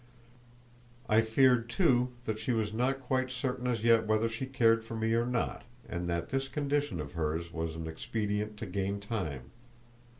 I feared, too, that she was not quite certain as yet whether she cared for me or not, and that this condition of hers was an expedient to gain time.